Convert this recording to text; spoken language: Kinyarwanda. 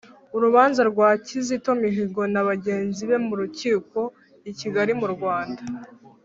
Urubanza rwa Kizito Mihigo na bagenzi be m'urukiko i Kigali mu Rwanda.